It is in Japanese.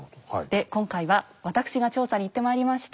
で今回は私が調査に行ってまいりました。